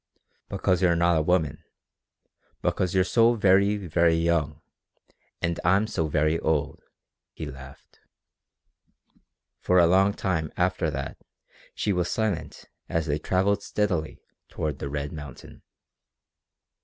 "Because you're not a woman; because you're so very, very young, and I'm so very old," he laughed. For a long time after that she was silent as they travelled steadily toward the red mountain.